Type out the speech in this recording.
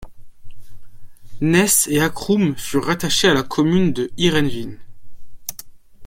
Nes et Akkrum furent rattachés à la commune de Heerenveen.